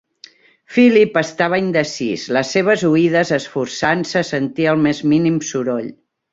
Philip estava indecís, les seves oïdes esforçant-se a sentir el més mínim soroll.